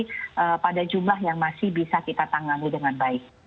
jadi pada jumlah yang masih bisa kita tangani dengan baik